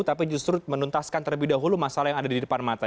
tapi justru menuntaskan terlebih dahulu masalah yang ada di depan mata